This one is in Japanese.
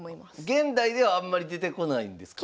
現代ではあんまり出てこないんですか？